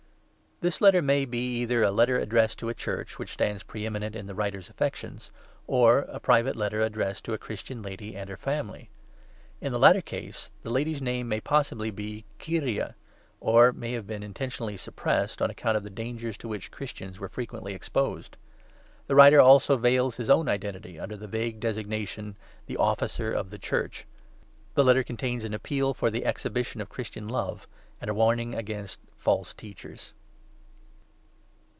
] THIS Letter may be either a letter addressed to a Church which stands pre eminent in the writer's affections, or a private letter addressed to a Christian lady and her family. In the latter case the lady's name may possibly be Kyria, or may have been intentionally suppressed on account of the dangers to which Christians were frequently exposed. The writer also veils his own identity under the vague designation ' the Officer of the Church.' The Letter contains an appeal for the exhibition of Christian love, and a warning against false Teachers.